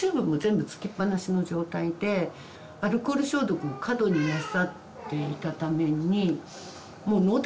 アルコール消毒も過度になさっていたためにもう納体